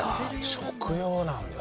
食用なんだ。